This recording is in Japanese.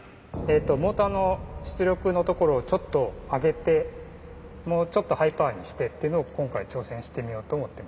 モーターの出力のところをちょっと上げてもうちょっとハイパワーにしてってのを今回挑戦してみようと思っています。